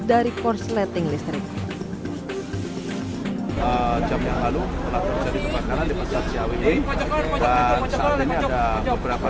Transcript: dari korsleting listrik jam yang lalu telah terjadi kebakaran di pasar ciawi dan saat ini ada beberapa